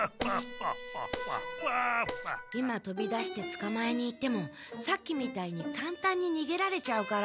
今とび出してつかまえに行ってもさっきみたいにかんたんににげられちゃうから。